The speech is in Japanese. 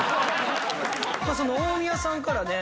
大宮さんからね